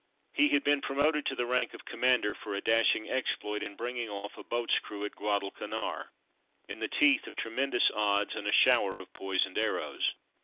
He had been promoted to the rank of Commander for a dashing exploit in bringing off a boat's crew at Guadalcanar, in the teeth of tremendous odds, and a shower of poisoned arrows.